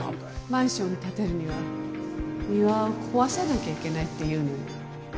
マンション建てるには庭を壊さなきゃいけないっていうのよ。